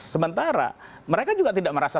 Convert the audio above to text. sementara mereka juga tidak merasa